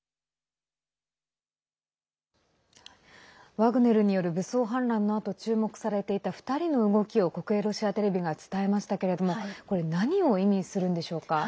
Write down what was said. ワグネルによる武装反乱のあと注目されていた２人の動きを国営ロシアテレビが伝えましたがこれ、何を意味するんでしょうか。